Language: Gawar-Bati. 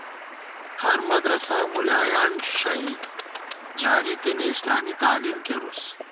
ہرمدرسا مُلایان ݭَئی جاری تېنے اسلامی تعلیم کېرُوس